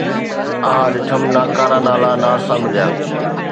آھ ڏٺم ناڪارا نالا نارسا مليا